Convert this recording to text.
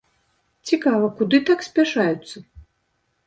Цікава, куды так спяшаюцца?